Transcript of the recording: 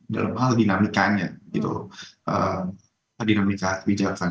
dalam hal dinamikanya dinamika kebijakan